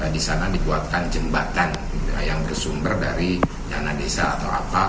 di sana dibuatkan jembatan yang bersumber dari dana desa atau apa